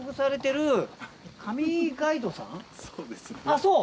あっそう。